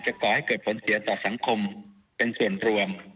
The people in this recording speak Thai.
ก่อให้เกิดผลเสียต่อสังคมเป็นส่วนรวม